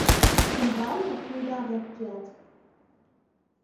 Ӱстембалне книга-влак кият.